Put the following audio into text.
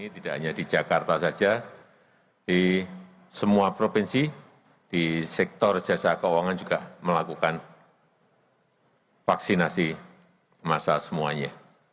tidak hanya di jakarta saja di semua provinsi di sektor jasa keuangan juga melakukan vaksinasi masal semuanya